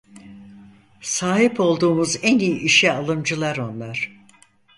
Sahip olduğumuz en iyi işe alımcılar onlar.